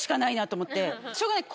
しょうがない